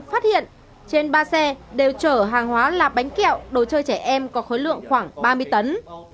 phát hiện trên ba xe đều chở hàng hóa là bánh kẹo đồ chơi trẻ em có khối lượng khoảng ba mươi tấn